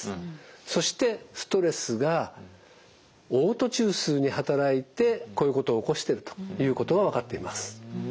そしてストレスがおう吐中枢に働いてこういうことを起こしてるということが分かっています。